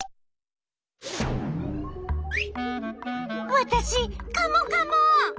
わたしカモカモ！